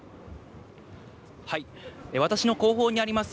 私の後方にあります